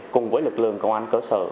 cùng với lực lượng công an cơ sở